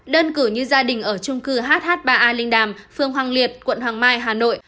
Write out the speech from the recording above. đơn cử như gia đình ở trung cư hh ba a linh đàm phường hoàng liệt quận hoàng mai hà nội